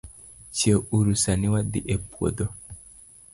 Chiew uru sani wadhii e puodho